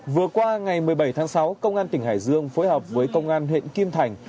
vừa qua ngày một mươi bảy tháng sáu công an tỉnh hải dương phối hợp với công an huyện kim thành